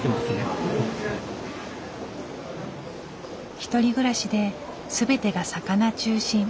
１人暮らしで全てが魚中心。